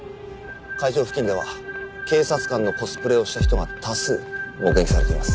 会場付近では警察官のコスプレをした人が多数目撃されています。